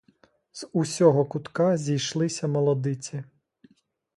З усього кутка зійшлися молодиці.